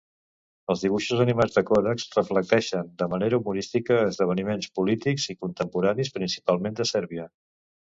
Els dibuixos animats de Corax reflecteixen de manera humorística esdeveniments polítics i contemporanis, principalment de Sèrbia.